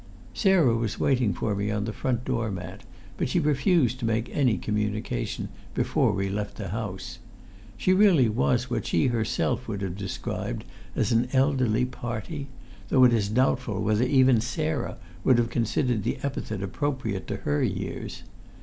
Sarah was waiting for me on the front door mat, but she refused to make any communication before we left the house. She really was what she herself would have described as an elderly party, though it is doubtful whether even Sarah would have considered the epithet appropriate to her years.